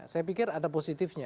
saya pikir ada positifnya